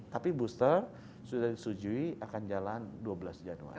tapi booster sudah disetujui akan jalan dua belas januari